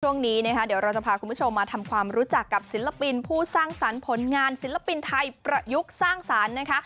ช่วงนี้นะคะเดี๋ยวเราจะพาคุณผู้ชมมาทำความรู้จักกับศิลปินผู้สร้างสรรค์ผลงานศิลปินไทยประยุกต์สร้างสรรค์นะคะ